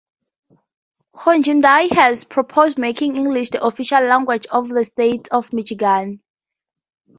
Hoogendyk has proposed making English the official language of the State of Michigan.